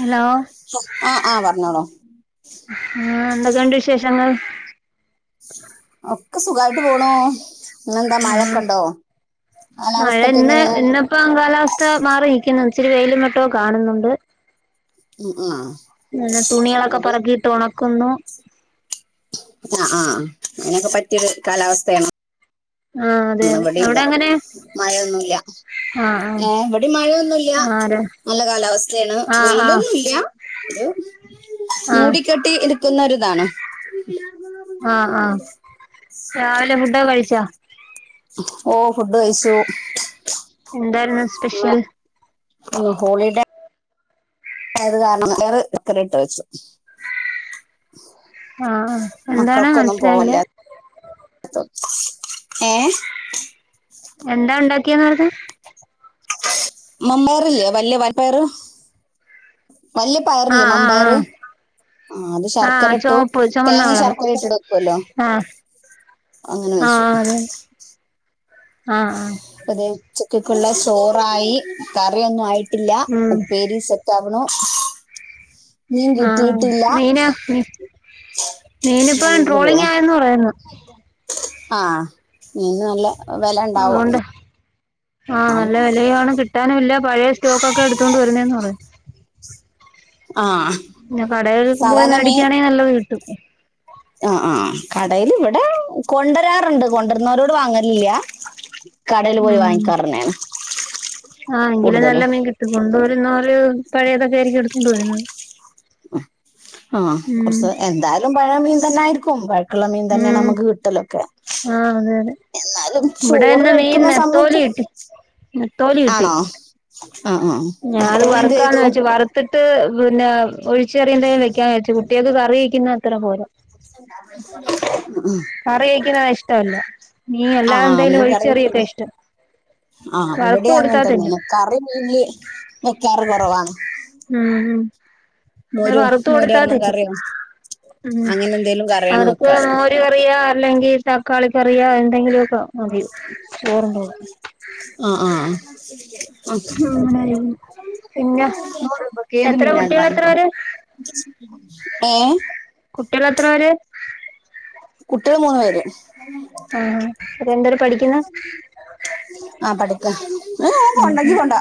Hello ആഹ് ആഹ് പറഞ്ഞോളു. ആ എന്തൊക്കെയണ്ട് വിശേഷങ്ങൾ. ഒക്കെ സുഖായിട്ട് പോണോ ഇങ്ങെന്താ മഴൊക്കെ ഉണ്ടോ. മഴ കാലാവസ്ഥൊക്കെ ഇന്ന് എങ്ങനെയാ ഇന്നപ്പ കാലാവസ്ഥ മാറി. ഇച്ചിരി വെലും വെട്ടോ കാണുന്നുണ്ട്. ഉം ഉ ആഹ് പിനെ തുണികളൊക്കെ ഇവിടെയും പറക്കിയിട്ട് ഒണക്കുന്നു. ആ ആഹ് അങ്ങൊക്കെ പറ്റിയരു കാലാവസ്ഥയാണോ? ആ അതെ അതെ ഇവിടെ ഇല്ല അവിടെ എങ്ങനെ മഴൊന്നുല്ല. ആ ഏ ഇവിടെ മഴയൊന്നുല്ല. ആ ആരാ നല്ല കാലാവസ്ഥേണ് ആ ആ വെയിലൊന്നുംല്ല. ഹലോ ആ മൂടിക്കെട്ടി എടുക്കുന്നോരിതാണോ? ആഹ് ആഹ് രാവിലെ ഫുഡക കഴിച്ചാ? ഓ ഫുഡ് കഴിച്ചു. എന്തായിരുന്നു പിന്ന സ്പെഷ്യൽ ഉം ഹോളിഡേ. ആയത് കാരണം വറെ ഇക്കറി ഇട്ട് വെച്ചു. ആഹ് എന്താണ് മക്കൾക്കൊന്നും മനസ്സിലായില്ല. പോവല്ല ഏ എന്താ ഉണ്ടാക്കിയന്ന് പറഞ്ഞെ? മമ്പയർല്ലേ വല്യ പയർ വല്യ ആ പയറില്ലേ മമ്പയർ. ആ ആ അത് ആ ആ ശർക്കര ഇട്ടു ചുവപ്പ് ചുമന്ന തേങ്ങ കളറ് ശർക്കര ഇട്ട് എടുക്കുവല്ലോ. ആ അങ്ങനെ വെച്ചു. ആഹ് ആ ള്ള ചോറായി കറിയൊന്നും ആയിട്ടില്ല. ഉം ഉപ്പേരീസെറ്റാവണു. നീൻ ആ കിട്ടിയിട്ടില്ല മീന് മീ- മീനിപ്പം ങ്ങട് ട്രോളിംഗ് പോണം. ആയെന്ന് പറയുന്നു ആഹ് നീന്ന് നല്ല വെലണ്ടാവും. ആഹ് നല്ല വെലയുആണ്. കിട്ടാനും ഇല്ല. പഴയ സ്റ്റോക്ക് ഒക്കെ എടുത്തൊണ്ട് വരുന്നെന്ന് പറഞ്ഞ. ആഹ് പിന്ന കടകൾക്ക് പോയി മേടിക്കയാണെങ്കി നല്ലത് കിട്ടും. ആഹ് ആഹ് കടേല് ഇവിടെ കൊണ്ടരാറുണ്ട്. കൊണ്ടരുന്നരോട് വാങ്ങലില്ല. കടേല് പോയി വാങ്ങിക്കാറാണ്. ആഹ് എങ്കിലെ നല്ല മീൻ കിട്ടു കൊണ്ടോരുന്നൊര് പഴയതൊക്കെ ആയിരിക്കും എടുതൊണ്ട് വരുന്നത്. ആഹ് ഉം കുറച്ച് എന്തായാലും പഴേ മീൻ തന്നെ ആയിരിക്കും. പഴ ള്ള മീൻ തന്നെ ഉം നമുക്ക് കിട്ടലൊക്കെ. ആ അതെ അതെ എന്നാലും ഇവിടെ ചോറ് ഇന്ന് മീൻ കഴിക്കുന്ന നെത്തോലി സമയത്ത് കിട്ടി നെത്തോലി കിട്ടി ആണോ ആഹ് ആഹ് ഞാൻ അത് അപ്പൊ നീയെന്ത്‌ വറുക്കാന്ന് ചെയ്തു വെച്ച് വറുത്തിട്ട് പിന്നെ ഒഴിച്ചറിയെന്തെങ്കിലും വെക്കാൻ വെച്ചു കുട്ടിയക്ക് കറിയിക്കുന്ന അത്ര പോരാ കറി ഒഴിക്ണെ ഇഷ്ടവല്ല ആഹ് മീൻ കറി വെക്കണ ആഹ് വറുത്ത് ഇവിടെ അങ്ങൻ കൊടുത്താ തിന്നും തന്നാണ് കറി മീൻൽ വെക്കാറ് കുറവാണ് ഉമ് ഇവടെ മോര് വറുത്ത് മോരർന്ന കൊടുത്താതിന്നും കറിയോ ഉം അങ്ങനെ എന്തേലും കറിയാണ് അവർക്ക് വെക്കാറ് മോര് കറിയോ അല്ലെങ്കി തക്കാളി കറിയോ എന്തെങ്കിലു ഒക്കെ മതി ചോറുണ്ടോളും ആ ആ ഹും ഉണരും നൂറു രൂപക്ക് ഏതു മീനാലും കുട്ടികൾ എത്ര വാങ്ങക്കോ പേര് ഏം കുട്ട്യള് എത്രപേര് കുട്ട്യള് മൂന്ന് പേര് ആഹ് അവരെന്തരു പഠിക്കുന്ന് ആ പഠിക്ക ഉം കൊണ്ടെങ്കി ഹും കൊണ്ട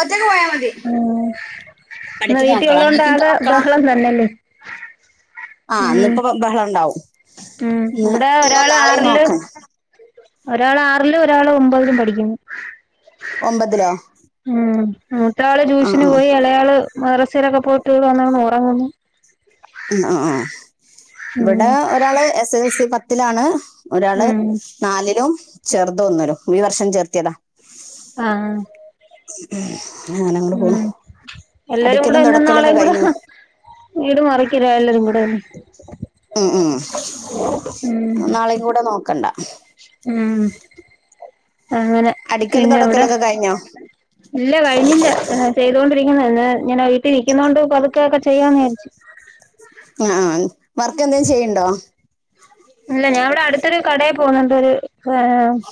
ഒറ്റക്ക് പോയാ മതി ഉം ഇന്ന് പഠിക്കുന്ന മക്കളാ നിങ്ങൾക്ക് ഇത്ര വീട്ടിയുള്ളോണ്ടാകെ മക്കളാ ബഹളം തന്നല്ലേ ആഹ് ന്നിപ്പോ ബ ബഹളം ഉണ്ടാവും ഉം ഇന്ന് ഇവിടെ ഒരാള് ഇന്നുനാളെയും ആറില് നോക്കണ്ട ഒരാള് ആറിലു ഒരാള് ഒമ്പതിലും പഠിക്കുന്നു ഒമ്പതിലോ ഉം മൂത്ത ആള് ആ ട്യൂഷന് ആ പോയി എളയാള് മറസിലൊക്കെ പോയിട്ട് വിടെവന്ന് കിടന്നുറങ്ങുന്നു ഉം അ ആഹ് ഇവിടെ ഒരാള് എസ് എസ് എൽ സി പത്തിലാണ് ഒരാള് ഉം നാലിലും ചെറുതൊന്നിലും ഈ വർഷം ചേർത്തിയതാ ആഹ് അങ്ങനെ അങ്ങോട്ട് പോണു ഉം എല്ലരും കൂടെ അടിക്കലും ഇന്നുന്നാളെ തുടക്കലൊക്കെ കൂടെ കഴിഞ്ഞു വീട് മറി ക്ക്ലാല്ലരും കൂടെ ഉം ഉം ഉം ഊം [unintelligible] നോക്കണ്ട ഉം അങ്ങനെ അടിക്കലും പിന്നെവിടെ തുടക്കലൊക്കെ കഴിഞ്ഞോ ഇല്ല കഴിഞ്ഞില്ല ചെയ്തോണ്ട് യിപ്പിങ്ങനെന്ന് ഇങ്ങനെ വീട്ടിൽനിക്കുന്നോണ്ട് പതുക്കെ ഒക്കെ ചെയ്യാന്ന് വിചാരിച്ച് [unintelligible] വർക്ക് എന്തേലും ചെയ്യ്ണ്ടോ പോണ്ണ്ടൊരു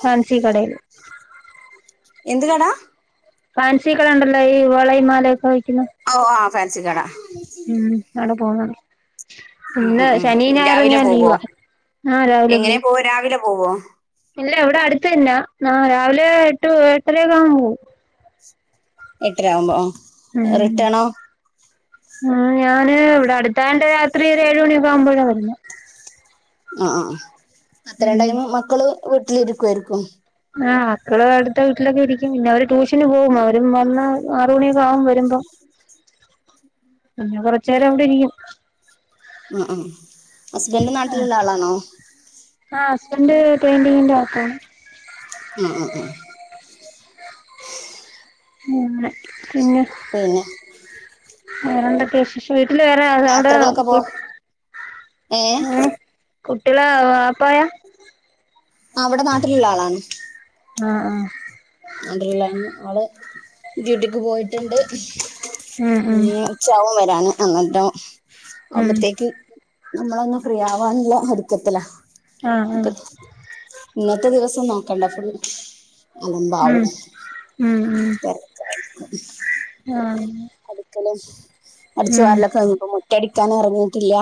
ഫാൻസി കടേല് എന്ത് കടാ ഫാൻസികടണ്ടല്ലോ ഈ വളേംമാലയൊക്കെ വി ഔ ആ ഫാൻസി കട ഉം അവടെ പോന്നാണ് ഉം ഇന്ന് ഉം ഉം ശനി ഞായറും രാവിലെ ഞാൻ പോവോ ലീവാ ആ രാവിലെ പോവു എങ്ങനെ പോവോ രാവിലെ പോവോ ഇല്ലവടെ അടുത്തെന്നാ ആഹ് രാവിലെ എട്ടു എട്ടരൊക്കാവുമ്പോ പോവു എട്ടരാകുമ്പോ ആഹ് റിട്ടേണോ ഉം ഞാന് ഇവിടെ അടുത്തായോണ്ട് രാത്രി ഒര് ഏഴ് മണിക്കെ ആവുമ്പോഴാ വരുന്നെ ആഹ് ആഹ് അത്രോം ടൈമ് മക്കള് വീട്ടിലിരിക്കുവായിരിക്കും ആഹ് മക്കള് അടുത്ത വീട്ടിലൊക്കെ ഇരിക്കും പിന്നെ അവര് ട്യൂഷന് പോകു അവരും വന്ന് [unintelligible] ട്ടു മണിയൊക്കെ ആവും വരുമ്പോ പിന്നെ കൊറച്ചു നേരം അവിടെ ഇരിക്കും ആഹ് ആഹ് ഹസ്ബൻഡ് നാട്ടിലുള്ള ആളാണോ ആഹ് ഹസ്ബൻ്റ് പെയിന്റിങ്ങിന്റെ വർക്കണ് ആ ആ ആ ഉം പിന്നെ പിന്നെ വേറെന്തൊക്കെ വിശേഷം യാത്രകളൊക്കെ പോ ഏ [unintelligible] [unintelligible] കുട്ട്യേളെ വാപ്പായാ ആ വടെ നാട്ടിലുള്ള ആളാണ് ആഹ് ആഹ് അണ്ടല്ലാണ് ആള് ഡ്യൂട്ടിക്ക് പോയിട്ടുണ്ട് ഉം ഉം [unintelligible] ഉച്ചാവും വരാണ് അന്നിട്ടം ഉം ആവുമ്പോത്തേക്ക് നമ്മളൊന്ന് ഫ്രീ ആവാനല്ല ഒരുക്കത്തില്ല ആഹ് ഹ ഇന്നത്തെ ദിവസം നോക്കണ്ട ഫുൾ ഉം [unintelligible] ഞാന് [unintelligible] അടിച്ചു വാരലൊക്കെ കയിഞ്ഞ് ഇപ്പോ മുറ്റടിക്കാന് ഇറങ്ങിട്ടില്ല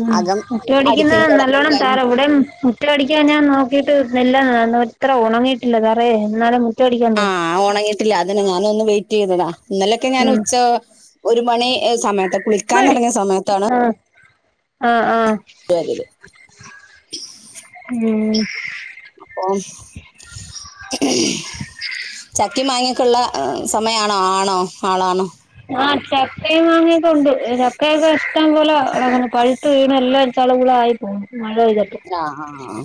ഉം മുറ്റം അടിക്കുന്ന തുടക്കലും നല്ലോണ്ണം കഴിഞ്ഞ് [unintelligible] ഇവിടേം ഉം മുറ്റ അടിക്കാൻ ഞാൻ നോക്കിയിട്ട് നെല്ല ഇത്ര ഒണങ്ങിയിട്ടില്ല തറേ എന്നാലും മുറ്റമടിക്കാൻ തോന്നും ആഹ് ഒണങ്ങിയിട്ടില്ല അതന്നെ ഞാനും ഒന്ന് വെയിറ്റ് ചെയ്തതാ ഇന്നലൊക്കെ ഞാന് ഉം ഉച്ച ഒരു മണി ഏഹ് സമയത്ത് കുളിക്കാൻ ആഹ് എറങ്ങിയ സമയത്താണ് ആഹ് ആഹ് വരുത് ഉം അപ്പോം ചക്ക് ചക്കേം മാങ്ങയൊക്കെ ഇള്ള [unintelligible] സമയാണോ ആണോ ആളാണോ ആഹ് ചക്കേം മാങ്ങയൊക്കെ ഒണ്ട് ചക്കയൊക്കെ ഇഷ്ട്ടം പോലെ കെടക്കുന്നു പഴ് ഴ്ത്ത് വീണ് എല്ലാം ചളു പിളാ ആയി പോന്നു. മഴ പെയ്തിട്ട് ആഹ് ആഹ് ആഹ്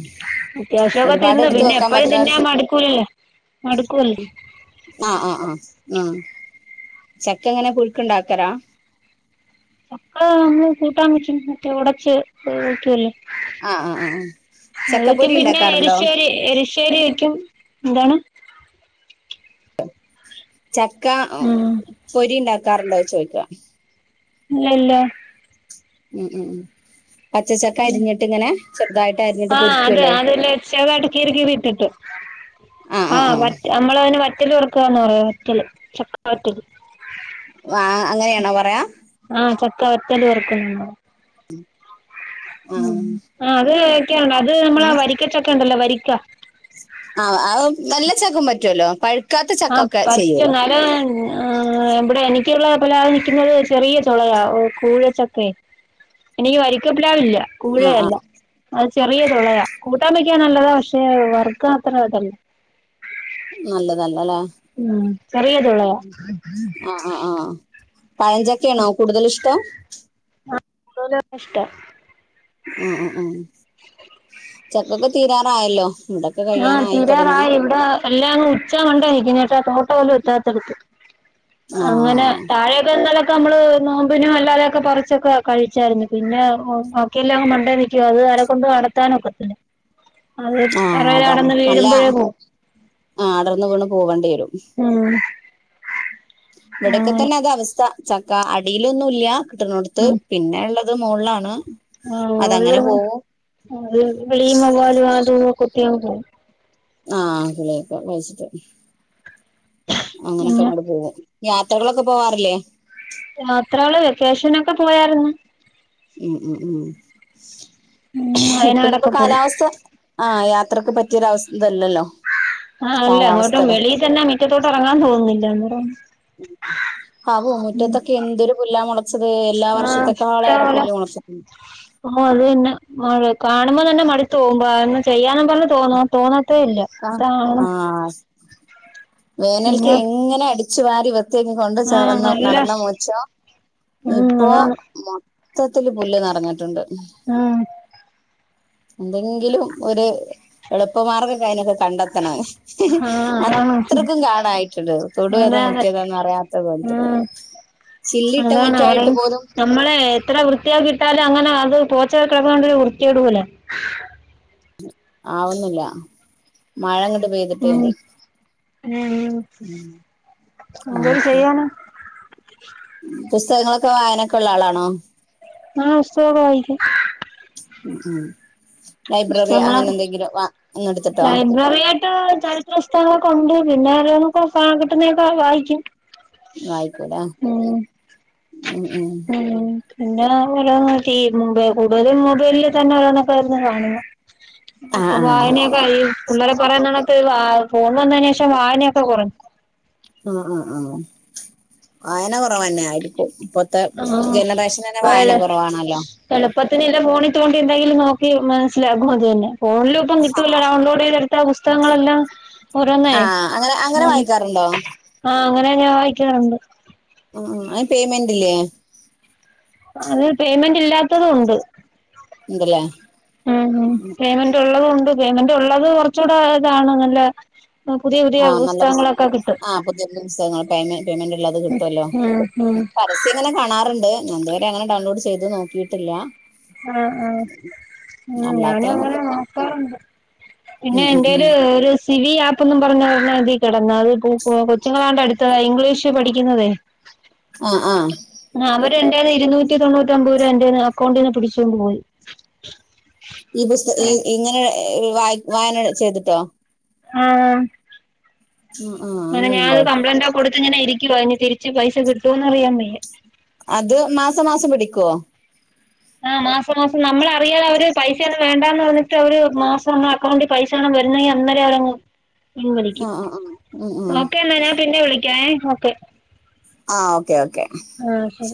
അത്യാവശ്യൊക്കെ ഒരുപാട് തിന്നു എടുത്ത് പിന്നെ വെക്കാൻ എപ്പഴും പറ്റുന്ന ഒരു തിന്നാൻ മടുക്കൂലല്ലോ മടുക്കുവല്ലോ ആഹ് ആഹ് ആഹ് ചക്ക എങ്ങനെ പുഴുക്ക് ഇണ്ടാക്കലാ? ചക്ക നമ്മള് കൂട്ടാൻ വെക്കും മറ്റേ നടച്ച് വെക്കുവല്ലോ ആഹ് ആഹ് ആഹ് ആഹ് അത് വെക്കും ചക്കപ്പൊരി പിന്നെ ഇണ്ടാക്കാറുണ്ടോ എരിശ്ശേരി എരിശ്ശേരി വയ്ക്കും. എന്താണ്? ചക്ക ഉം പൊരി ഇണ്ടാക്കാറുണ്ടോ ചോയിക്കാ ഇല്ലല്ലോ ഉം ഉം ഉം പച്ച ചക്ക അരിഞ്ഞിട്ട് ഇങ്ങനെ ചെറുതായിട്ട് അരിഞ്ഞിട്ട് ആഹ് അത് പൊരിക്കുവല്ലോ അതില് ചെറുതായിട്ട് കീറി കീറി ഇട്ടിട്ട് ആഹ് വറ്റ് നമ്മളതിന് വറ്റല് വറക്കാന്ന് പറയാ വറ്റല് ചക്ക വറ്റല് ആഹ് അങ്ങനെയാണോ പറയാ? ക്ക വറ്റല് വറക്കുന്നെന്നോ ഉം ആഹ് അതൊക്കെയാണ് അത് നമ്മളെ വരിക്ക ചക്ക ഉണ്ടല്ലോ വരിക്ക ആഹ് ആഹ് നല്ല ചക്കും പറ്റുവല്ലോ പഴ ആഹ് പറ്റും [unintelligible] ഏഹ് ഇവിടെ എനി ക്കുള്ള പലാതെ നിക്കുന്നത് ചെറിയ ചൊളയാ ഏഹ് കൂഴച്ചക്കെ എനിക്ക് വരിക്ക പ്ലാവില്ല ആ ആ കൂഴയല്ല ചെറിയ ചുളയാ കൂട്ടാ വെക്കാൻ നല്ലതാ പക്ഷെ വർക്കാൻ അത്ര ഇതല്ല. നല്ലതല്ലാ ലേ ഉം ചെറിയ തുളയാ ഉം ആഹ് ആഹ് ആഹ് പഴഞ്ചക്കയാണോ കൂടുതലിഷ്ടം [unintelligible] ആഹ് ആഹ് ആഹ് ചക്കൊക്കെ തീരാറായല്ലോ. ഇവിടൊക്കെ ആഹ് കഴിയാനായി തുടങ്ങണു തീരാറായി ഇവിടെ എല്ലാങ്ങ് ഉച്ച മണ്ടേ നിക്കുന്നെ പഷേ തോട്ട പോലും എത്താത്തടുത്ത് ആ അങ്ങനെ താഴെയൊക്കെ [unintelligible] ക്കൊ നമ്മള് നോമ്പിനും അല്ലാതെയൊക്കെ പറിച്ചൊക്കെ കഴിച്ചായിരുന്നു, പിന്നെ ഏഹ് ബാക്കിയെല്ലാം മണ്ടേ നിക്കും അത് ആരെക്കൊണ്ടും അടത്താനൊക്കത്തില്ല അത് ആഹ് തറയിൽ അതാണ് കടന്ന് നല്ല വീഴുമ്പോഴേ പോവും ആഹ് അടർന്ന് വീണ് പോവണ്ടി വെരും. ഉം ഇവിടൊക്കെ അങ്ങനെ തന്നെ അത് അവസ്ഥ ചക്ക അടിയിലൊന്നും ഇല്യ കിട്ടണോടത്ത് ഉം പിന്നെ ഇള്ള ത് മോൾലാണ് ആഹ് മോൾല് [unintelligible] കിളിയും വവ്വാലും അതും ഇതും ഒക്കെ കൊത്തി അങ്ങ് പോവും. ആഹ് കിളിയൊക്കെ അത് ശെരിയാ അങ്ങനൊക്കെ പിന്നെ അങ്ങട് പോവും യാത്രകളൊക്കെ പോവാറില്ലേ? യാത്രകള് വെക്കേഷനൊക്കെ പോയാരുന്ന്. ഉം ഉം ഉം ഉം ഇപ്പനിയിപ്പോൊ വയനാടൊക്കെ പോയി കാലാവസ്ഥ ആഹ് യാത്രക്ക് പറ്റിയൊര് അവസ് ഇതല്ലല്ലോ ആഹ് അല്ല എങ്ങോട്ടും കാലാവസ്ഥല്ലേ വെളിയിത്തന്നെ മിറ്റത്തോട്ടിറങ്ങാൻ തോന്നില്ല അന്നേരം ഹാവു മുറ്റത്തൊക്കെ എന്തൊരു പുല്ലാ മൊള [unintelligible] എല്ലാ ആഹ് വർഷത്തെക്കാള് ഏറെ ഇഷ്ടംപോലെ പ്പുല്ല് മുളച്ചിക്കണ് ഓ അത് [unintelligible] കാണുമ്പോ തന്നെ മടുത്ത് പോകും ബ ഒന്നും ചെയ്യാനൊ [unintelligible] തോന്നൊ തോന്നാത്തേ ഇല്ല ആഹ് താ ആഹ് വേനൽക്ക് എങ്ങനെ അടിച്ചു വാരി വൃത്തിയാക്കി കൊണ്ട് ആഹ് ചെന്ന് നല്ല നടന്നാ മുറ്റൊ ഉം ഇപ്പൊ അതാണ് മൊത്തത്തില് പുല്ല് നെറഞ്ഞിട്ടുണ്ട് ഉം എന്തെങ്കിലും ഒരു എളുപ്പ മാർഗം കഴിഞ്ഞൊക്കെ കണ്ടെത്തണം ആഹ് അതാണ് അത്രക്കും കാടായിട്ടുണ്ട്. തൊട് ഏതാ അതെ അതെ മുറ്റം ഏതാന്ന് അറിയാത്ത കോലത്തില് ഉം ചില്ലിട്ട അതാണ് ആരെ മുറ്റായിട്ട് പോലും നമ്മളെ എത്ര വൃ [unintelligible] ആക്കി ഇട്ടാലും അങ്ങനെ അത് പോച്ച കേറി കെടക്കണോണ്ടൊരു വൃത്തി കേട് പോലാ ആവുന്നില്ല മഴ അങ്ങട് പെയ്തിട്ട് മ്ഹ് ഉം എന്തര് അങ്ങനെയൊക്കെയാണ് ചെയ്യാന് പുസ്തകങ്ങളൊക്കെ വായനക്കെ ഒള്ള ആളാണോ ആഹ് പുസ്തകൊക്ക വായിക്കും ഉം ലൈബ്രറി പുസ്തകങ്ങള അങ്ങനെ എന്തെങ്കിലും വാ ഒന്നെടുത്തിട്ടോ ലൈബ്രറി ആയിട്ട് ചരിത്ര പുസ്തകള [unintelligible] ഒണ്ട് പിന്നെ ഓരോന്നൊക്കെ സ കിട്ടുന്നെ ഒക്കെ വായിക്കും വായിക്കൂലേ മ്ഹ് ഉം ഉം മ്ഹ് പിന്ന [unintelligible] കൂടുതലും മൊബൈലില് തന്ന ഇത് കണക്ക് ഇരുന്നു കാണുന്ന ആഹ് അപ്പൊ ആഹ് വായനെക്ക [unintelligible] പുള്ളേരെ പറയണ കണ [unintelligible] ഫോൺ വന്നേന് ശേഷം വായനൊക്കെ കൊറഞ്ഞു ആഹ് ആഹ് ആഹ് വായന കൊറവന്നെ ആയിരിക്കും ഇപ്പൊത്തെ ഉം ജനറേഷന് തന്നെ വായന കൊറവ് ആണല്ലോ ഇപ്പത്തേന് എന്റെ ഫോണി തോണ്ടി എന്തെങ്കിലും നോക്കി മനസ്സിലാക്കും അത് തന്നെ ഫോണിലും ഇപ്പ കിട്ടുവല്ലോ ഡൗൺലോഡ് ചെയ്തെടുത്ത പുസ്തകങ്ങളെല്ലാം ഓരോന്നേ താ അങ്ങനെ ഉം വായിക്കാറുണ്ടോ? ആഹ് അങ്ങനെ ഞാൻ വായിക്കാറുണ്ട് ആഹ് ആഹ് അയ് പേയ്മെന്റ് ഇല്ലേ അത് പെയ്മെന്റ് ഇല്ലാത്തതും ഉണ്ട് ഉണ്ട്ല്ലേ ഉമ് പെയ്മെന്റ് ഉള്ളത ഉണ്ട് പെയ്മെന്റ് ഉള്ളത് കുറച്ചുടെ ഇതാണ് നല്ല പുതിയ പുതിയ ആഹ് നല്ല ബുസ് പുസ്തകങ്ങളൊക്കെ കിട്ടും ആഹ് പുതിയ [unintelligible] പെയ്മെ പെയ്മെന്റ് ഇല്ലാതെ കിട്ടുല്ലോ ഉം ഉം പരസ്യം ഇങ്ങനെ കാണാറുണ്ട് ഞാൻ ഇതുവരെ അങ്ങനെ ഡൗൺലോഡ് ചെയ്ത് നോക്കിയിട്ടില്ല ആഹ് ആഹ് ഉമ് ഞാനും അങ്ങനെ അല്ലാത്തതൊക്കെ ഇങ്ങനെ നോക്കാറുണ്ട് പിന്നെ ഉം ഉം ഉം എന്റെല് ഒരു സ് സിവി ആപ്പ്ന്നും പറഞ്ഞ ഒരെണ്ണം ഇതി കിടന്ന അത് കു കൊ കൊച്ചുങ്ങളാണ്ട് അടുത്ത ഇംഗ്ലീഷ് പഠിക്കുന്നതെ ആഹ് ആഹ് അവര് എന്റെ ഇരുന്നൂറ്റി തൊണ്ണൂറ്റമ്പത് രൂപ എന്റെന്ന് അക്കൗണ്ടിന്ന് പിടിച്ചോണ്ട് പോയി ഈ പുസ്ത ഈ ഇങ്ങനെ വ വായന ചെയ്തിട്ടോ ആ ആ ആ അ ഞാനത് അങ്ങനെയുണ്ടോ കംപ്ലൈന്റ കൊടുത്ത്ങ്ങനെ ഇ അതിന് തിരിച്ച് പൈസകിട്ടുവോന്നറിയാന്മേല അത് മാസം മാസം പിടിക്കുവോ ആ മാസം മാസം നമ്മളറിയാൻ അവര് പൈസയന്ന വേണ്ടന്ന് പറഞ്ഞിട്ട് അവര് മാസം ഒ അക്കൗണ്ടിൽ പൈസയണ വരുന്ന അന്നരഅവര് ആ പിൻവലിക്കും ആ ആ ആ ആ ഓക്കെ എന്നാ ഞാൻ പിന്നെ വിള ക ഹോക്ക ആ ഓക്കെ ഓക്കെ ആക്ക